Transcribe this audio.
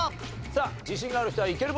さあ自信がある人は「イケる！」